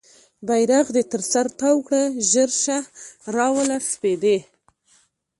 بیرغ دې تر سر تاو کړه ژر شه راوله سپیدې